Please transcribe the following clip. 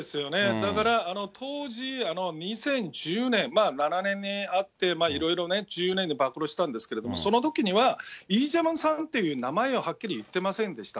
だから、当時、２０１０年、７年あって、いろいろ１０年で暴露したんですけど、そのときにはイ・ジェミョンさんっていう名前ははっきり言ってませんでした。